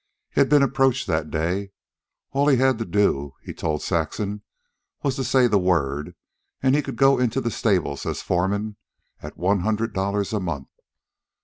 He had been approached that day. All he had to do, he told Saxon, was to say the word, and he could go into the stable as foreman at one hundred dollars a month.